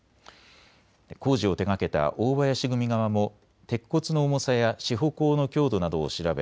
工事を手がけた大林組側も鉄骨の重さや支保工の強度などを調べ